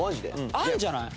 あるんじゃない？